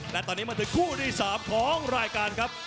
และตอนนี้มาถึงคู่ที่๓ของรายการครับ